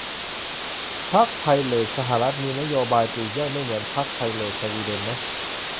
พรรคไพเรตสหรัฐมีนโยบายปลีกย่อยไม่เหมือนพรรคไพเรตสวีเดนนะ